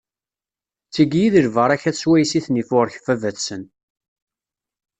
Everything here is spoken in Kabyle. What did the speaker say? D tigi i d lbaṛakat swayes i ten-iburek baba-tsen.